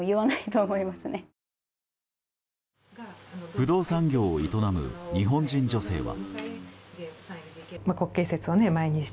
不動産業を営む日本人女性は。